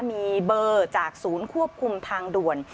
มีเบอร์จากศูนย์ควบคุมทางด่วน